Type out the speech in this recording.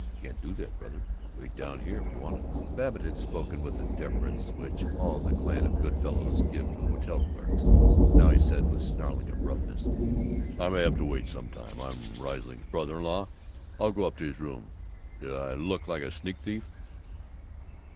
"Can't do that, brother. Wait down here if you wanna." Babbitt had spoken with the deference which all the Clan of Good Fellows give to hotel clerks. Now he said with snarling abruptness: "I may have to wait some time. I'm Riesling's brother in law. I'll go up to his room. D' I look like a sneak thief?"